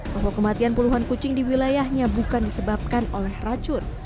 bahwa kematian puluhan kucing di wilayahnya bukan disebabkan oleh racun